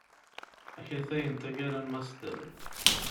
Akatay n taggara n Master.